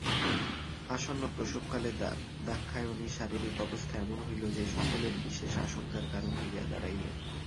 আসন্নপ্রসবকালে দাক্ষায়ণীর শারীরিক অবস্থা এমন হইল যে, সকলের বিশেষ আশঙ্কার কারণ হইয়া দাঁড়াইল।